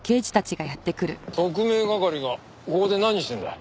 特命係がここで何してるんだ？